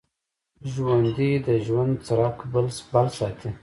ژوندي د ژوند څرک بل ساتي